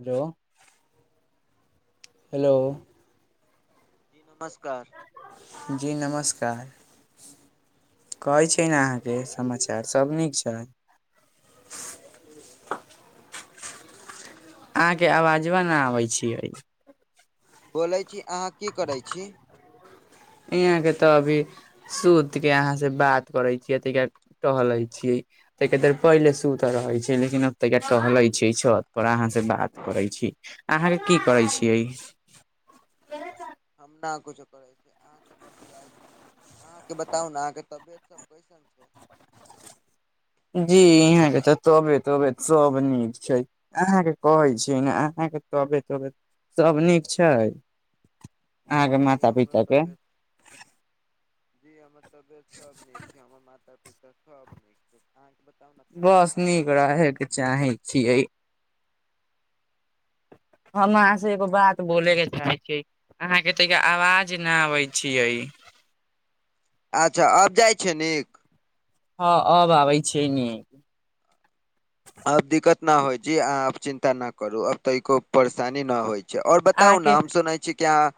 Hello hello. जी नमस्कार। जी नमस्कार कहै छिय ने अहाँके समाचार सभ नीक छै अहाँ की करै छी अहाँके आवाजबा नहि आबै छियै बोलै छी अहाँ की करैत छी के त अभी। सूत के अहाँ से बात करे छीयै त टहले छीयै त के देर पहिले सुत रहै छै लेकिन अब त टहले छै छत पर अहाँ से बात करै छी अहाँके की करै छीयै न कुछो अहाँके बताओ ना अहाँके तबीयत सब जी इहाँं के तबियत तबियत सब नीक छै अहाँके कहै छी न अहाँके तबियत तबियत सभ नीक छै [inaudible] अहाँके माता हमर पिता के तबीयत जी हमार तबीयत सब नीक छै हमर अहके बताऊ न खाना पीना भौ गेल छै चाहे छियै हम अहाँ से एगो खाना बात पीना भ बोले के चाहे छीयै अहाँ के त आवाज न आबे छीयै अच्छा अब जाइ छै नीक हँ अब आबै छैय निक अब दिक्कत न होइ छै आब चिन्ता न करु अब तनिको परेशानी न होयत ओर बताउ न अहाँके हम सुनै छी कि आहाँ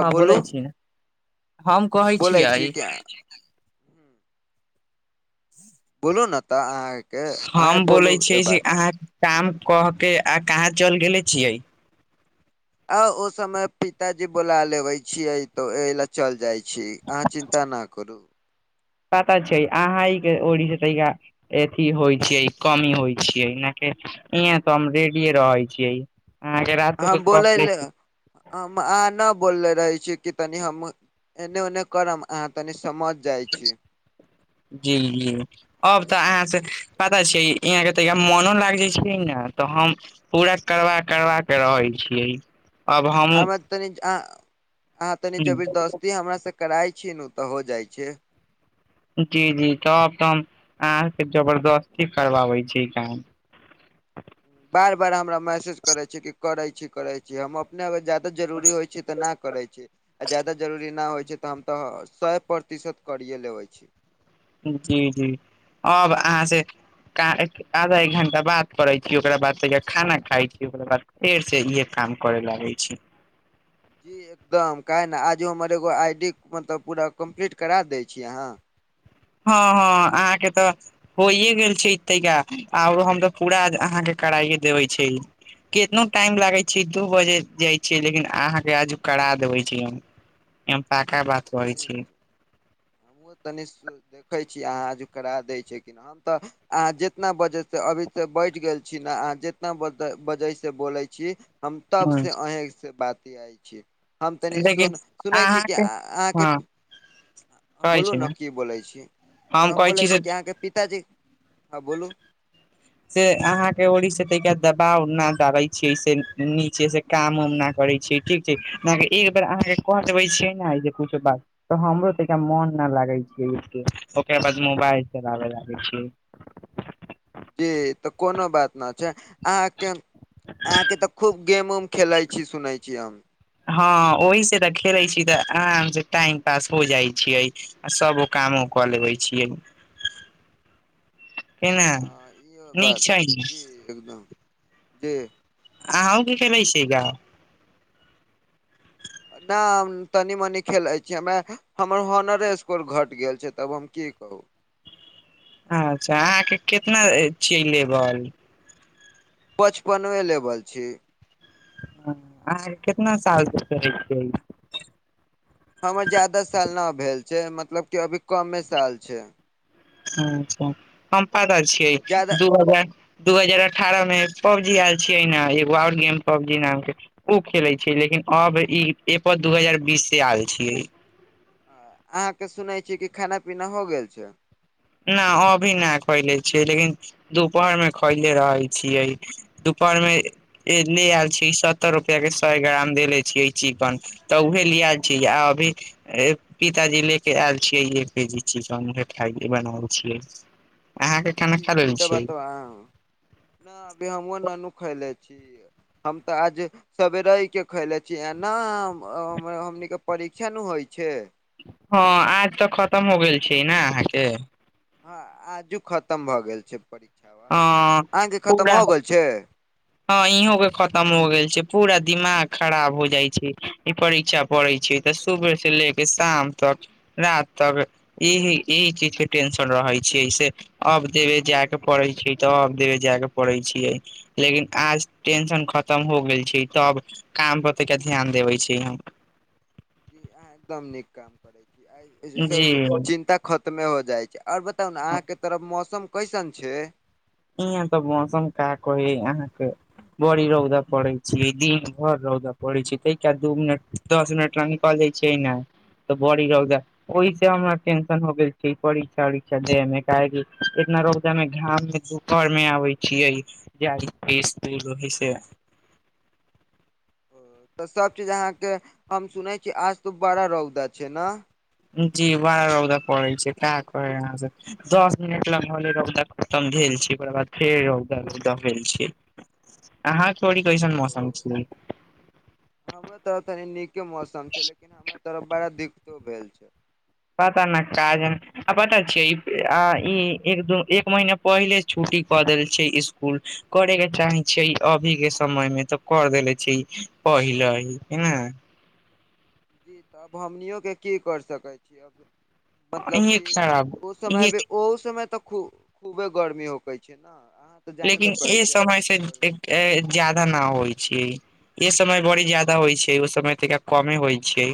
हँ बोलै छी हम कहै बोलै छी छियै कि बोलू न त अहाँ हम बोले छियै जे अहाँ काम क के आ कहाँ चल गेले छियै आ ओ समय पिताजी बोला लेबे छियै त ओय ले चल जाइ छी आहा चिंता ना करू [unintelligible] अथी होइ छै कमी होइ छियै नाकि इहां त हम रेडिये रहै छियै आहा के रातू हम बोलै कहली ले हम अहाँ न बोलने रहे छी कि तनी हम एने ओने करब अहाँ तनी समझ जाय छै जी जी अब त अहाँ से पता छि यहाँ के त मोनो लाग छिय न त हम पूरा करबा करबाक रहै छियै अब हम तनी अह अहाँ तनी जबरदस्ती हमर से कराइ छीय ने त हो जाइ छै जी जी तब त हम अहाँके जबरदस्ती करबाबै छी काम बार बार हमरा मैसेज करे छी कि करे छी करे छी हम अपने अबैत जैब जरूरी होइ छै त ना करै छै आ जादा जरूरी ना होइ छै त हम त स प्रतिशत करिए लेबै छी जी जी अब अहा से कहे आधा एक घण्टा बात करैत छी ओकरा बाद ता खाना खाइत छी ओकरा बाद फेरसँ इहे काम करै लागय छी जी एकदम काहे न आजो हमर एगो आइ डी मतलब पूरा कंप्लीट करा दै छी अहाँ हँ हँ अहाँके त होइए गेल छै ता आर हम त पूरा अहाँके कराइे देबे छी केतनो टाइम लागैत छैय दू बजे जाइ छीयै लेकिन अहाँके आजू करा देबै छी हम। पका बात कहै ठीक छी छै हमहुँ तनि देखै छी अहाँ आजु करा दै छी कि ना। हम तऽ अहाँ जितना बजे सँ अभीसँ बैठ गेल छी ने अहाँ जितना बज बजे से बोलै छी हम तब ह से अहीं से बातियाय छी। हम तनी लेकिन सुन सुनै छी कि अहाँके अहां हँ कहै बोलू छी न ने की बोलै छी। हम बोलै छी कि अहाँके पिताजी, हँ बोलू। से अहाँ के ओड़ी से तिका दबाव न डालै छीयै से नीचे से काम उम ना करै छियै ठीक छैय बांकी एक बेर अहाँके कह देबै छियै ने जे कुछो बात तऽ हमरो तऽ एक मन न लागे छैय, ओकरा बाद मोबाइल चलाबे लागे छियै। [inaudible] जी तऽ कोनो बात न छैय, आहां के आहा के तऽ खूब गेम उम खेले छी सुनै छी हम। हँ ओहि से तऽ खेले छी तऽ आराम से टाइम पास हो जाइ छियै। आ सभो कामो कऽ लेबै छियै। केना ह ईहो बात नीक छै ने जी एकदम जी। अहू की [unintelligible] गे नहि हम तनी मनी खेलै छीयै हमरा हमर हॉनरे स्कोर घट गेल छै तब हम की कहू। अच्छा अहाँके कितना छी लेबल। पचपने लेवल छी। ह अहाँके कितना सालसँ करै छियै। हमर जादा साल न भेल छैय मतलब की अभी कमे साल भेल छैय। [unintelligible] छियै ज्यादा दू हजार दू हजार अठारह मे एक पबजी आयल छियै ने एगो आओर गेम पबजी नाम के ओ खेलै छै लेकिन अब ई एपर दू हजार बीस से आयल छियै। अहाँ के सुनै छियै कि खाना पीना हो गेल छै। न अभी नहि खैले छियै, लेकिन दुपहर मे खैले रहै छियै। दुपहर मे ले आयल छी सत्तर रुपआ के सए ग्राम दे ले छीयई चिकन। तऽ उहे लिया छी आ अभी पिताजी ले के आयल छियै एक केजी चिकने उहे खै बनाल छैय, अहाँके खाना खा रहल छियै। हॅ। न अभी हमहुँ ननु खैले छी हम तऽ आजे सबेरे ही के खयले छिय ना हमनी के परीक्षा न होइ छैय। हँ आज तऽ खतम हो गेल छै ने अहाँके। हँ आजू खतम भए गेल छै परीक्षबा हँ अहाँके खतम हो गेल छैय। ह इहों के खतम हो गेल छैय। पूरा दिमाग खराब हो जाइ छैय ई परीक्षा पड़ै छैय तऽ सुबेह से ले के शाम तक रात तक इहि एहि चीजके टेंशन रहै छैैय ऐसे। अब देबे जी जाय के पड़ै छैय तऽ अब देबे जाय के पड़ै छियै। लेकिन आज टेंशन खतम हो गेल छैय तब काम पर त ध्यान देबे छी हम। जीह एकदम नीक काम करे छी जी सबसे चिन्ता खतमे हो जाइ छैय। आओर बताउ ने अहाँके तरफ मौसम कैसन छैय। इहाँ तऽ मौसम का कही अहाँके। बड़ी रौदा पड़ै छै, दिन भर रौद पड़ै छै, तै क दू मिनट दस मिनट ले निकलै छियै ने त बड़ी रौदा ओहिसे हमरा टेंशन हो गेल छै, परीक्षा उरीक्षा दै मे काहेकि इतना रौदा मे घाम मे घर मे आबै छियै जाहिसे दूर रहै से। तऽ सब चीज अहाँके हम सुनै छी आज त बड़ा रौदा छै ने। जी वड़ा रौदा पड़ै छै का करै अहां सब। दस मिनट लग भेले रौदा खतम भेल छै ओकरा बाद फेर रौदा रौदा भेल छै। अहां के ओइजग कैसन मौसम छै। हमरो तरफ तनी नीके मौसम छै लेकिन हमरा तरफ बड़ा दिकतो भेल छै। पता न काज आ पता छियै ई एक दु एक महीना पहिले छुट्टी कऽ देल छै इसकुल। करै के चाहे छियै अभी के समय मे त कर देले छै पहिले हं जी तऽ अब हमनियोके की कर सकैत छियै अब मतलब इहे कि खराब ओ समय इहे भी, ओहो समय तऽ खूब खूबे गर्मी होकै छै ने अहाँ तऽ जानबे लेकिन करै ए छियै समय आजकलके से गर्मी ज्यादा न होइ छै। ए समय बड़ी ज्यादा होइ छै ओ समय ता कमे होइ छै।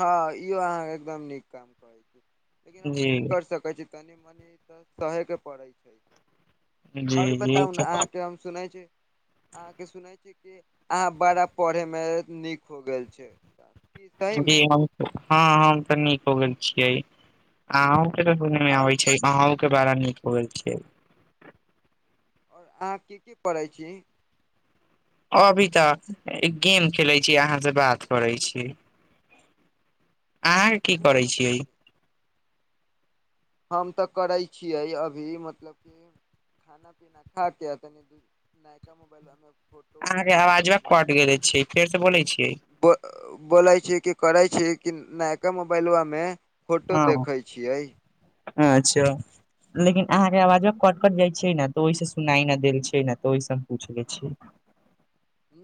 हँ इहो अहाँ एकदम नीक काम करैत छी लेकिन आब जी की कर सकैत छी। कनी मनी तऽ सहे के पड़ैत छै। जी और जी बताउ ने अहाँके हम सुनै छी अहाँके सुनैत छी कि अहाँ बड़ा पढ़यमे नीक हो गेल छी। जी हँ हम तऽ नीक हो गेल छियै आ हम सुन मे आओर आबै छै अहं के बारा नीक लगै छै। औश्र अहाँ के कि पढ़ै छी? अभी तऽ गेम खेलैत छी अहाँ से बात करैत छी। अहाँके मतलब की ओ नहि करै ने छियै? पूछै छै हम तऽ करै छियै अभी मतलब कि खाना पीना खा क तनि नयका मोबाइलमे फोटो अहाँके देखै आवाजवा छियै कट की कहै गेले छियै फेर से बोलै छियै छै बोलै छै कि करै छै कि नयका मोबाइलआ मे फोटो हँ देखै छियै। अच्छा। लेकिन अहाँके आवाज कट कट जाइ छै ने तऽ ओहिसै सुनाई न देल छै त ओहिस हम पूछ ले छियै।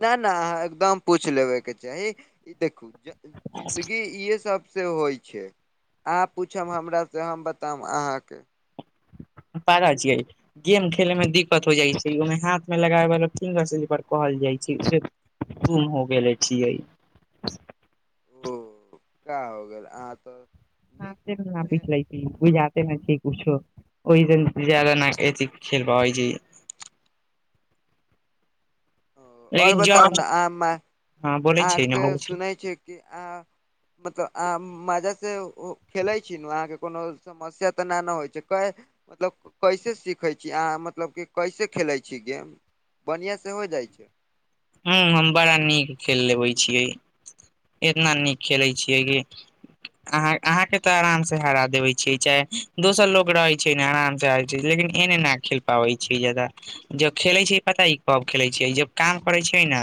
ना ना अहाँके एकदम पूछि लेबेके चाही ई देखू जिंन्दगी इहे सब से होइ छै। छै अहाँ पूछब हमरासँ हम बताब अहाँके पारा ज गेम खेले में दिक्कत हो जाइ छै ओहिमे हाथ मे लगाबे वाला फिंगर स्लिपर कहल जाइ छै। तम हो गेल लै छियै ओ क्या हो गेल अहाँ तऽ ह नीक से न छै पीछ नु लैुज [unintelligible] ते नै छै किछो, ओहि जन जेा न कत खेलबा ओइ जे और लेकिन बताउ जब ने अह हँ बोलै छियै अहाँके ने बोलै सुनै छी कि अहां मतलब अहाँ मजा से खेलै छी ने अहाँके कोनो समस्या तऽ ना ने होइ छै कै मतलब कैसे सीखै छियै य अहाँ मतलब कि कैसे खेलै छी गेम बढ़िआँ से हो जाइ छै? ह हम बड़ा नीक खेल लेबै छियै। इतना नीक खेलै छियै कि अहाँ अहाँके तऽ आराम से हरा देबे छियै, चाहे दोसर लोग रहे छै ने आराम से लेकिन एने न खेल पाबै छियै जादा, जब खेले छियै पता ह कब खेले छियै, जब काम करै छै ने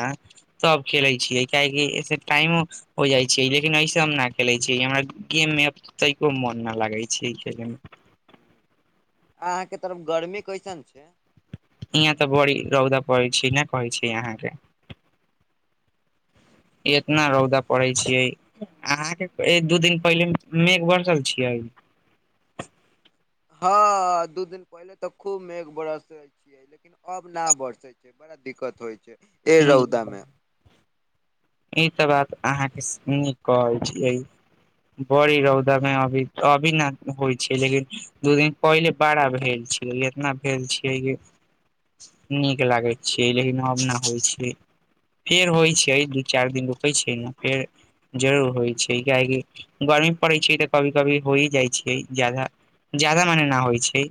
सब खेले छियै, कियकि ऐसे टाइमो हो जाइत छै, लेकिन अइसे हम नहि खेलैत छी, हमरा गेममे तऽ को मन न लगागै छै खेलमे। अहाँ के तरफ गर्मी कैसन छै? यहाँ तऽ बड़ी रौदा पड़ै छै, ने पहरै छै यहाँके? इतना रौदा पड़े छियै अहाँके एक, दू, दिन पहिले, मेघ बरसल छियै? हँ, दू दिन पहिले तऽ, खूब मेघ बरस छी। लेकिन अब न बरसे छै, बड़ा दिक्कत होइ छै एहि ह रौदा मे। ई त बात अहाँ के, नीक कहै छीयै। बड़ी रौदा मे अभी, अभी ना होइ छै लेकिन। दू दिन पहिले बड़ा भेल छियै, इतना भेल छियै कि नीक लागैत छियै, लेकिन अब न होइ छै, फेर होइ छै। चारि दिन रुकै छै ने, फेर जरूर होइ छै, कियेकि गर्मी पड़ैत छै तऽ, कभी- कभी हो जाइ छै, ज्यादा ज्यादा माने ना होइ छै।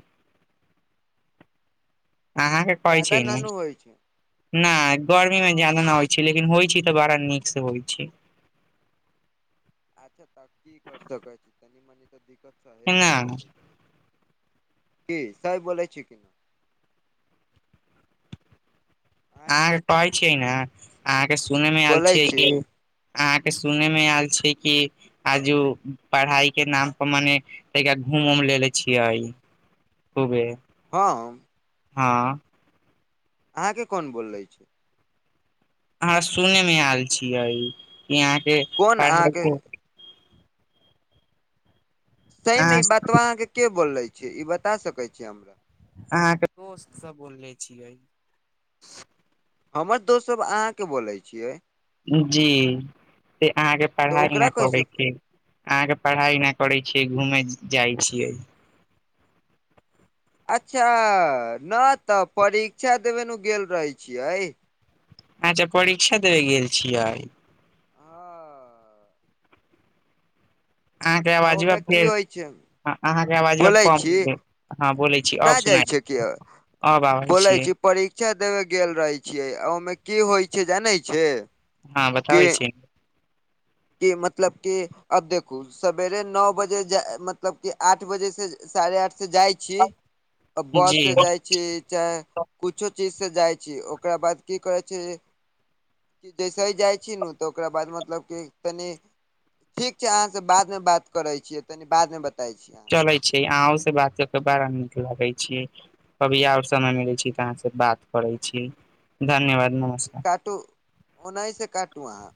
[inaudible] अहाँके परै छै जादा न कि नु होइ छै नहि, गर्मी मे हँ ज्यादा नहि होइ छै, लेकिन होइ छै। बड़ा नीक से होइ छै। अच्छा त‌‌ऽ की कऽ सकैत छी, तनी- मनी तऽ दिक्कत सह‌ऽ के न पड़बे करै छै। की, सहि बोलै छी की नै? आँय अहाँके कहै छियै ने, अहाँके सुनै मे आयल बोलै छियै छी कि अहाँके सुनय मे आयल छै कि आजु पढ़ाई के नाम पर माने तै क घूमि -उम म लै छियै। खूबे। हम। हँ। अहाँ के कोन बोलले ऐछ? अहाँ सुने मे आयल छीयै, कि अहाँ के कोन अहाँके सही मे, अहाँ ई बतवा अहाँ के के बोलले छै, ई बता सकै छी हमरा? अहाँके दोस्त सब बोलले छियै। हमर दोस्त सब अहाँ के बोलै छियै? जी! से अहाँके तऽ पढ़ाइ ओकरा नहि कैसे पबैत छै। अहाँके पढ़ाई नहि करे छीयै, घूमे जाय छीयै। अच्छा! न तऽ, परीक्षा देबे गेल रहै छियै। अच्छा! परीक्षा देबे गेल छियै? अहाँके आवाज ओहिमे की फेर होइ छै हँ, अहाँके आवाजमे बोलै छी कम हँ, बोलै छी, न अब जाइ सुना छै कि अब आबै बोलै छियै। छी परीक्षा देबे गेल रहे छियै, ओहिमे की होइ छै, जानै छियै? हां बताबै छी। कि मतलब कि अब देखु सवेरे नौ बजे जाए मतलब कि आठ बजे से साढ़े आठ से जाय छी अ बस जी से जाय छी चाहे कुछो चीज से जाय छी, ओकरा बाद की कहै छै। की जैसे ही जाय छी नु तऽ ओकरा बाद मतलब कि तनी ठीक छै अहाँ से बाद मे बात करै छियै, तनी बाद मे ब चलै छै अहौं से बात क के बाड़ा नीक लागै छी। कभी और समय मिलै छी त अहाँ से बात करै छी, धन्यवाद मु काटू ओनहे से काटू अहाँ।